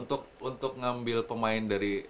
untuk ngambil pemain dari